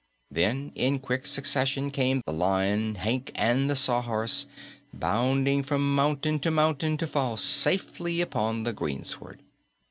Then, in quick succession, came the Lion, Hank and the Sawhorse, bounding from mountain to mountain to fall safely upon the greensward.